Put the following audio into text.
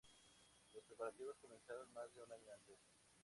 Los preparativos comenzaron más de un año antes.